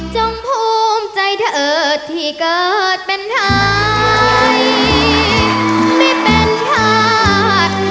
จงภูมิใจเธอที่เกิดเป็นหายไม่เป็นชาติ